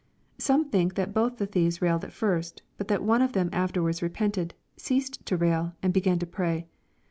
Some think that both the thieves railed at first, but that one of them afterwards repented, ceased to rail, and began to pray.